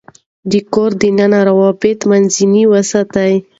د کور دننه رطوبت منځنی وساتئ.